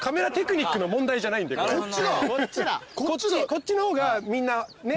こっちの方がみんなねっ。